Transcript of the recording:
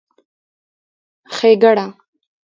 ښېګړه